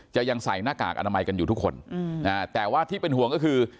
ยังใส่หน้ากากอนามัยกันอยู่ทุกคนแต่ว่าที่เป็นห่วงก็คือ